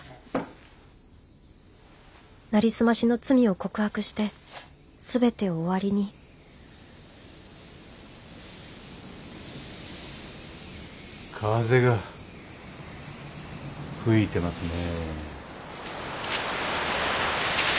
なりすましの罪を告白して全てを終わりに風が吹いてますね。